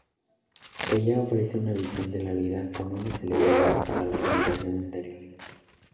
Ella ofrece una visión de la vida como una celebridad para la generación anterior.